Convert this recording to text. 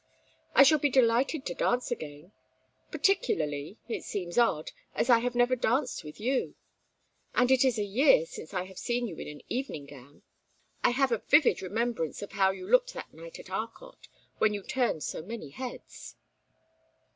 "I shall be delighted to dance again; particularly it seems odd as I have never danced with you. And it is a year since I have seen you in an evening gown. I have a vivid remembrance of how you looked that night at Arcot, when you turned so many heads."